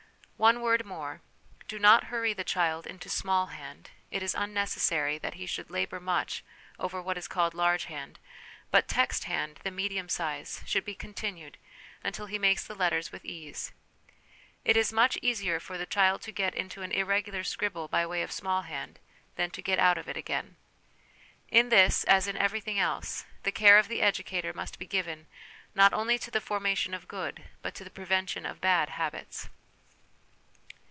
One word more ; do not hurry the child into ' small hand '; it is unnecessary that he should labour much over what is called ( large hand/ but ' text hand/ the medium size, should be continued until he makes the letters with ease. It is much easier for the child to get into an irregular scribble by way of ' small hand,' than to get out of it again. In this, as in everything else, the care of the educator must be given, not only to the formation of good, but to the prevention of bad habits.